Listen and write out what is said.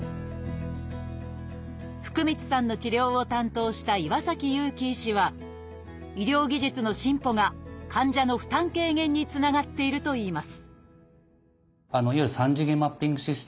福満さんの治療を担当した岩雄樹医師は医療技術の進歩が患者の負担軽減につながっているといいます